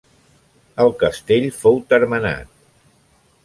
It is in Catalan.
El castell fou termenat.